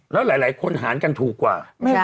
แล้วหลายคนหารกันถูกกว่า